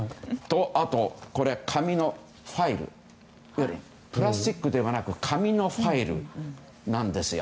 あとこれ紙のファイルプラスチックではなく紙のファイルなんですよ。